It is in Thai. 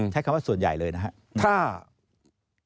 ใช้คำว่าส่วนใหญ่เลยนะครับ